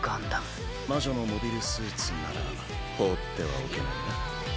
魔女のモビルスーツなら放ってはおけないな。